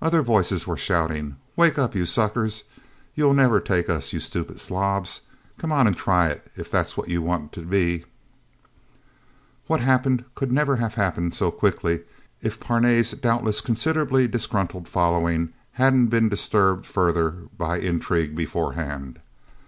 Other voices were shouting. "Wake up, you suckers...! You'll never take us, you stupid slobs...! Come on and try it, if that's what you want to be..." What happened, could never have happened so quickly if Parnay's doubtless considerably disgruntled following hadn't been disturbed further by intrigue beforehand.